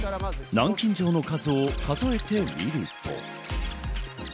南京錠の数を数えてみると。